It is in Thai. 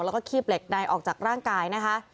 แล้วก็คีบเหล็กใดออกจากร่างกายนะคะ